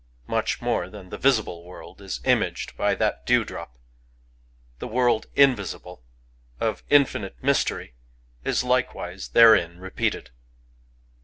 Much more than the visible world is imaged by that dewdrop : the world invisible, of infinite mys tery, is likewise therein repeated.